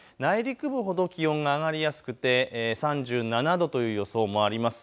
内陸部ほど気温が上がりやすくて３７度という予想もあります。